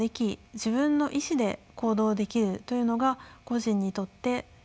自分の意思で行動できるというのが個人にとって大切になります。